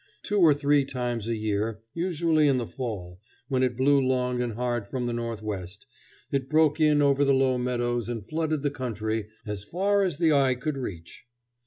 Two or three times a year, usually in the fall, when it blew long and hard from the northwest, it broke in over the low meadows and flooded the country as far as the eye could reach.